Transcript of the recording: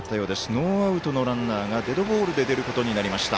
ノーアウトのランナーがデッドボールで出ることになりました。